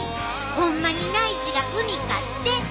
ホンマに内耳が海かって？